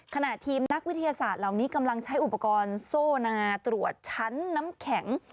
ขณะทีมนักวิทยาศาสตร์เหล่านี้กำลังใช้อุปกรณ์โซ่นาตรวจชั้นน้ำแข็ง